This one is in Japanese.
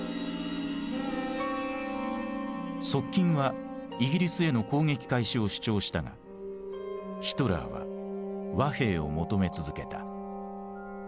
側近はイギリスへの攻撃開始を主張したがヒトラーは和平を求め続けた。